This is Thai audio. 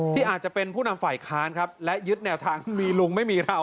ที่อาจจะเป็นผู้นำฝ่ายค้านครับและยึดแนวทางมีลุงไม่มีเรา